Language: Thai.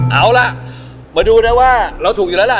เอาล่ะมาดูนะว่าเราถูกอยู่แล้วล่ะ